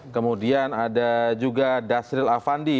kemudian ada juga dasril afandi